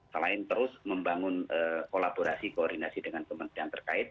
selain terus membangun kolaborasi koordinasi dengan kementerian terkait